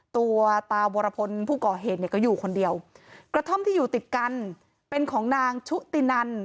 ตัวตาวรพลผู้ก่อเหตุเนี่ยก็อยู่คนเดียวกระท่อมที่อยู่ติดกันเป็นของนางชุตินัน